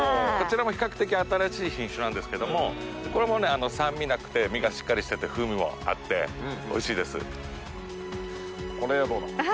こちらも比較的新しい品種なんですけどもこれもね酸味なくて実がしっかりしてて風味もあっておいしいです。